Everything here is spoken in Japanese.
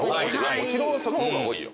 もちろんその方が多いよ。